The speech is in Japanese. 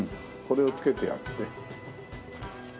これを付けてやって。